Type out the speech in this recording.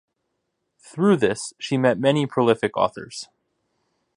Through this, she met many prolific authors.